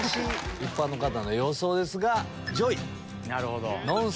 一般の方の予想ですが。